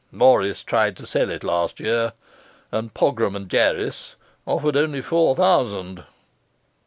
Morris tried to sell it last year; and Pogram and Jarris offered only four thousand.